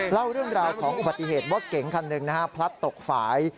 เล่าเรื่องราวของอุบัติเหตุว่าเก๋งคันหนึ่งนะฮะพลัดตกฝ่าย